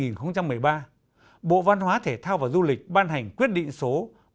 năm hai nghìn một mươi ba bộ văn hóa thể thao và du lịch ban hành quyết định số bốn nghìn hai trăm hai mươi bảy